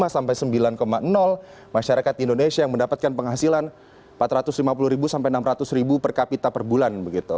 sampai sembilan masyarakat indonesia yang mendapatkan penghasilan empat ratus lima puluh sampai enam ratus per kapita per bulan begitu